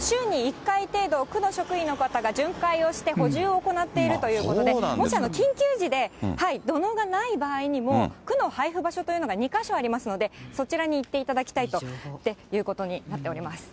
週に１回程度、区の職員の方が巡回をして補充を行っているということで、もし緊急時で土のうがない場合でも、区の配布場所というのが、２か所ありますので、そちらに行っていただきたいということになっております。